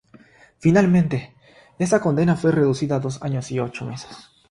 Finalmente, esta condena fue reducida a dos años y ocho meses.